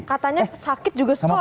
katanya sakit juga sekolah ya